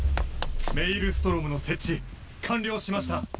メイルストロムの設置完了しました。